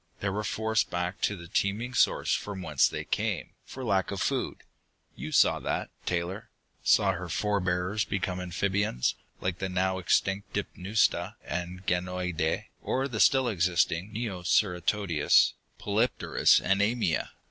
They were forced back to the teeming source from whence they came, for lack of food. You saw that, Taylor saw her forebears become amphibians, like the now extinct Dipneusta and Ganoideii, or the still existing Neoceratodus, Polypterus and Amia.